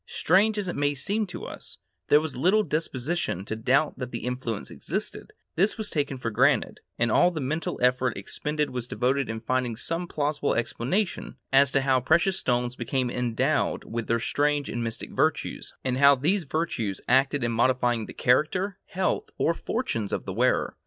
Strange as it may seem to us, there was little disposition to doubt that the influence existed; this was taken for granted, and all the mental effort expended was devoted to finding some plausible explanation as to how precious stones became endowed with their strange and mystic virtues, and how these virtues acted in modifying the character, health, or fortunes of the wearer.